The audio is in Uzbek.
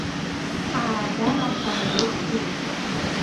— Ha-a, darrov sog‘ib bo‘ldingizmi?